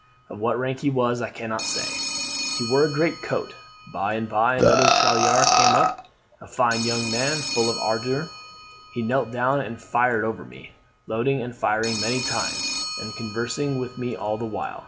Of what rank he was, I cannot say: he wore a great coat. By and by another tirailleur came up, a fine young man, full of ardour. He knelt down and fired over me, loading and firing many times, and conversing with me all the while."